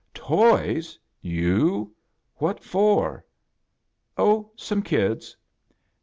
" Toys! You? What for?" " Oh, some kids."